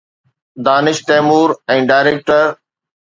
Danish Taimur ۽ director